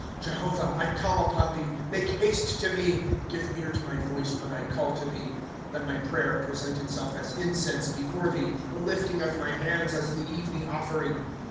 ' Jehovah, I call upon thee ; make haste to me ; Give ear to my voice, when I call to the^. * Let my prayer present itself as incense before thee ; The lifting of my hands as the evening offering.